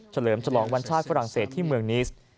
เลิมฉลองวันชาติฝรั่งเศสที่เมืองนิสต์